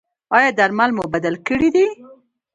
ایا درمل مو بدل کړي دي؟